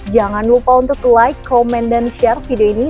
jangan lupa untuk like komen dan share video ini